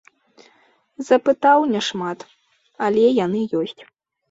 Запытаў няшмат, але яны ёсць.